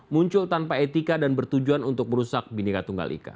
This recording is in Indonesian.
muncul tanpa etika dan bertujuan untuk merusak bineka tunggal ika